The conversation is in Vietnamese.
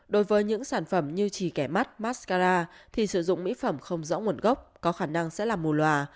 đối với những sản phẩm như chỉ kẻ mắt maskara thì sử dụng mỹ phẩm không rõ nguồn gốc có khả năng sẽ là mù loà